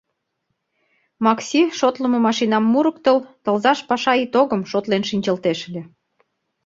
Макси, шотлымо машинам мурыктыл, тылзаш паша итогым шотлен шинчылтеш ыле.